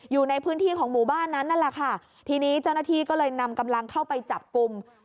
อยู่ในพื้นที่ของหมู่บ้านนั้นนั่นแหละค่ะทีนี้เจ้าหน้าที่ก็เลยนำกำลังเข้าไปจับกลุ่ม